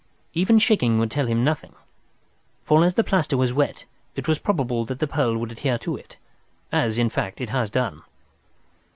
Even shaking would tell him nothing, for as the plaster was wet it was probable that the pearl would adhere to it—as, in fact, it has done.